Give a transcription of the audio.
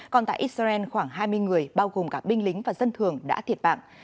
còn tại israel khoảng hai mươi người bao gồm cả binh lính và dân thường đã thiệt mạng